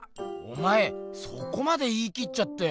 おまえそこまで言いきっちゃって。